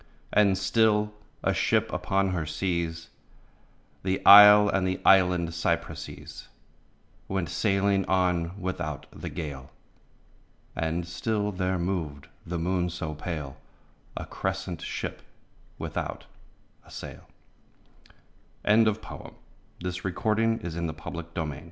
And still, a ship upon her seas. The isle and the island cypresses Went sailing on without the gale : And still there moved the moon so pale, A crescent ship without a sail ' I7S Oak and Olive \ Though I was born a Londo